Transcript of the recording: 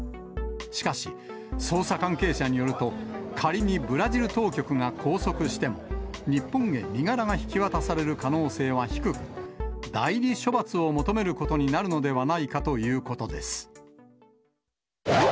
しかし、捜査関係者によると、仮にブラジル当局が拘束しても、日本へ身柄が引き渡される可能性は低く、代理処罰を求めることになるのではないかということです。